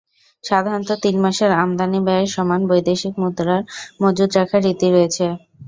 সাধারণত তিন মাসের আমদানি ব্যয়ের সমান বৈদেশিক মুদ্রার মজুত রাখার রীতি রয়েছে।